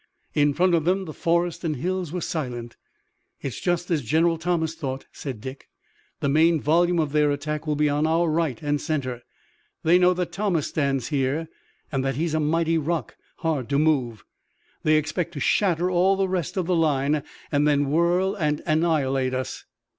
In front of them the forest and hills were silent. "It's just as General Thomas thought," said Dick. "The main volume of their attack will be on our right and center. They know that Thomas stands here and that he's a mighty rock, hard to move. They expect to shatter all the rest of the line, and then whirl and annihilate us."